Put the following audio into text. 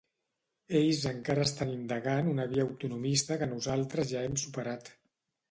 Ells encara estan indagant una via autonomista que nosaltres ja hem superat.